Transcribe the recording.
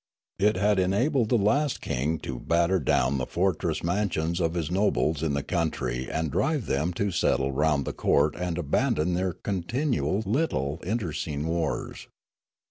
It had enabled the last king to batter down the fortress mansions of his nobles in the country and drive them to settle round the court and abandon their continual little internecine wars.